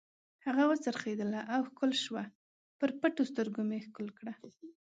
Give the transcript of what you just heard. هغه و څرخېدله او ښکل شوه، پر پټو سترګو مې ښکل کړه.